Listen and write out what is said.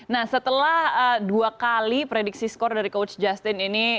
nah setelah dua kali prediksi skor dari coach justin ini